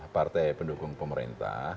partai pendukung pemerintah